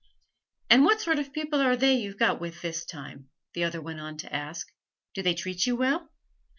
'And what sort of people are they you've got with this time?' the other went on to ask. 'Do they treat you well?'